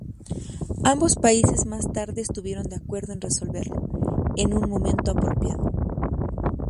Ambos países más tarde estuvieron de acuerdo en resolverlo "en un momento apropiado.